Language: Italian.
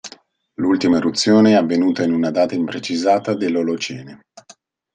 L'ultima eruzione è avvenuta in una data imprecisata dell'Olocene.